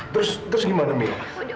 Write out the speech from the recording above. terus terus gimana mia